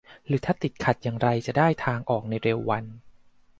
หรือถ้าติดขัดอย่างไรจะได้ทางออกในเร็ววัน